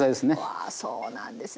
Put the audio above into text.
あそうなんですね。